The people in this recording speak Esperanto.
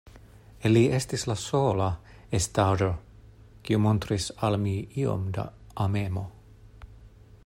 Li estis la sola estaĵo, kiu montris al mi iom da amemo.